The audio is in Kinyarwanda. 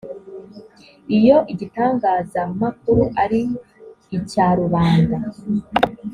iyo igitangazamakuru ari icya rubanda